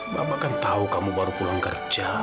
bapak kan tahu kamu baru pulang kerja